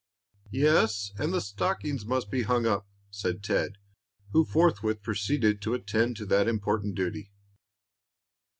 "Yes, and the stockings must be hung up," said Ted, who forthwith proceeded to attend to that important duty.